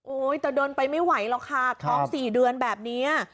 แต่เดินไปไม่ไหวหรอกค่ะท้อง๔เดือนแบบนี้